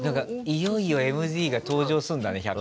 いよいよＭＺが登場すんだね